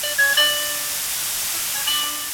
هغه څوک چي سبزېجات وچوي روغ وي!